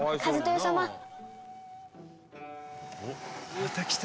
「また来た！」